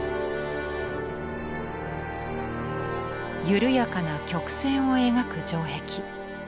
緩やかな曲線を描く城壁。